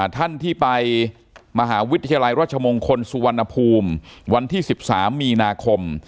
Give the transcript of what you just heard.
ท่านที่ไปมหาวิทยาลัยราชมงคลสุวรรณภูมิวันที่๑๓มีนาคม